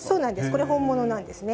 これ本物なんですね。